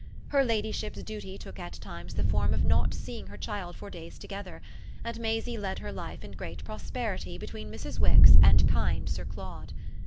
Her ladyship's duty took at times the form of not seeing her child for days together, and Maisie led her life in great prosperity between Mrs. Wix and kind Sir Claude.